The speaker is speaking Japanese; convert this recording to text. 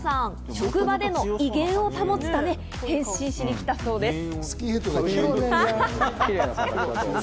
職場での威厳を保つため変身しに来たそうです。